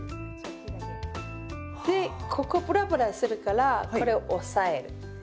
でここブラブラするからこれ押さえる。